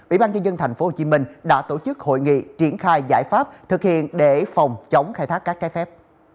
ủy ban nhân dân tp hcm đã tổ chức hội nghị triển khai giải pháp thực hiện để phòng chống khai thác các trái phép